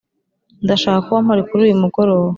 ndashaka kuba mpari kuri uyu mugoroba.